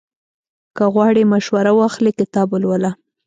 که غواړې مشوره واخلې، کتاب ولوله.